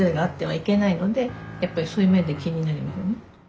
やっぱりそういう面で気になりますね。